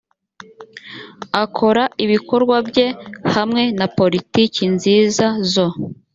akora ibikorwa bye hamwe na politiki nziza zo